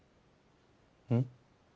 うん？